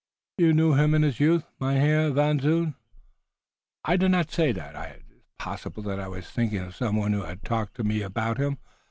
"You knew him in his youth, Mynheer Van Zoon?" "I did not say that. It is possible that I was thinking of some one who had talked to me about him.